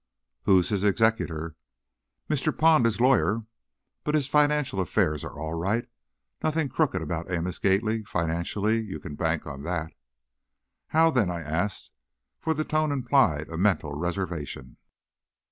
"Who's his executor?" "Mr. Pond, his lawyer. But his financial affairs are all right. Nothing crooked about Amos Gately financially. You can bank on that!" "How, then?" I asked, for the tone implied a mental reservation.